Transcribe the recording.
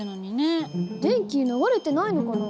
電気流れてないのかな？